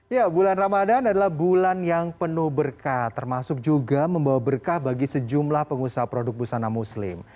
ya bulan ramadan adalah bulan yang penuh berkah termasuk juga membawa berkah bagi sejumlah pengusaha produk busana muslim